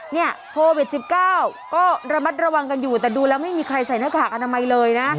โควิด๑๙ก็ระมัดระวังกันอยู่แต่ดูแล้วไม่มีใครใส่หน้ากากอนามัยเลยนะ